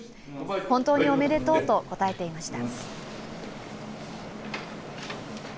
本当におめでとうと答えていました。